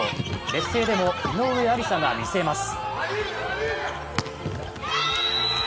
劣勢でも井上愛里沙が見せます。